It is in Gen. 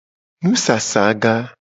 Nusasaga.